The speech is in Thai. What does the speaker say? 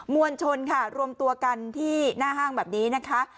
วลชนค่ะรวมตัวกันที่หน้าห้างแบบนี้นะคะ